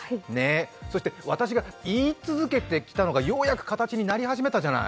そして私が言い続けてきたのがようやく形になり始めたじゃない。